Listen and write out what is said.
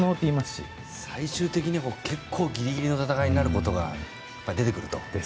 最終的にギリギリの戦いになることが出てくると。